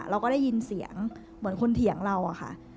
เราก็ได้ยินเสียงเหมือนคนเถียงเราอะค่ะ